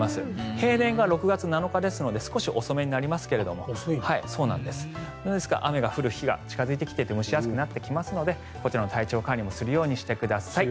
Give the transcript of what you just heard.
平年が６月７日ですので少し遅めになりますが雨が降る日が近付いてくると蒸し暑くなってきますのでこちらの体調管理もするようにしてください。